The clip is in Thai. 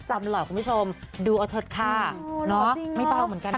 อร่อยคุณผู้ชมดูเอาเถอะค่ะเนาะไม่เบาเหมือนกันนะ